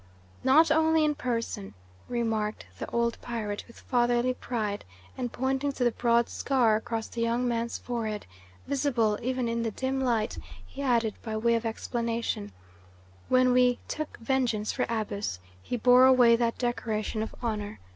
"Not only in person," remarked the old pirate, with fatherly pride, and pointing to the broad scar across the young man's forehead, visible even in the dim light, he added by way of explanation: "When we took vengeance for Abus, he bore away that decoration of honour.